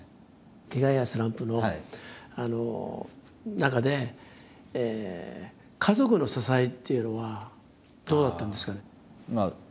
ケガやスランプの中で家族の支えっていうのはどうだったんですかね。